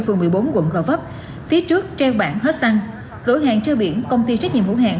phường một mươi bốn quận gò vấp phía trước treo bảng hết săn cửa hàng chơi biển công ty trách nhiệm hữu hạn